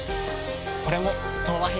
これも「東和品質」。